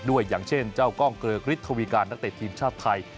อย่างเช่นเจ้ากล้องเกริกฤทธวีการนักเตะทีมชาติไทย